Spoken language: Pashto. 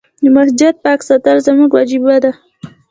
د مسجد پاک ساتل زموږ وجيبه ده.